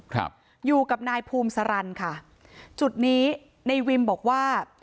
ครับอยู่กับนายภูมิสารันค่ะจุดนี้ในวิมบอกว่า